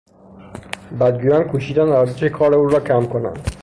بدگویان کوشیدند ارزش کار او را کم کنند.